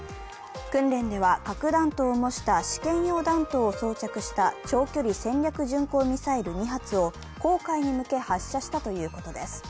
訓練では核弾頭を模した試験用弾頭を装着した長距離戦略巡航ミサイル２発を黄海に向け発射したということです。